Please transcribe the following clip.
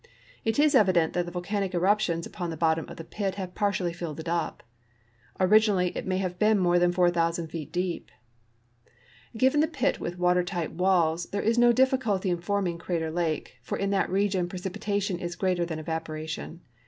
It is evident that the volcanic eruptions upon the bottom of the pit have partially filled it up. Originally it may have been much more than 4,000 feet deep. Given the pit with water tight walls, there is no difficulty in forming Crater lake, for in that region precipitation is greater than evaporation.